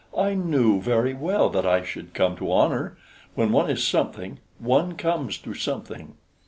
"I knew very well that I should come to honor; when one is something, one comes to something!"